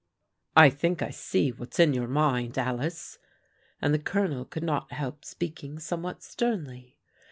" I think I see what's in your mind, Alice," and the Colonel could not help speaking somewhat sternly.